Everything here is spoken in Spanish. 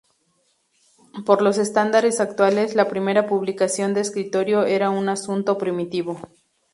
Por los estándares actuales, la primera publicación de escritorio era un asunto primitivo.